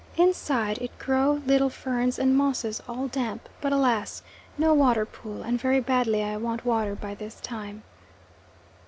Inside it grow little ferns and mosses, all damp; but alas! no water pool, and very badly I want water by this time.